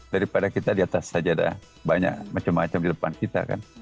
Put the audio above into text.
daripada kita di atas saja ada banyak macam macam di depan kita kan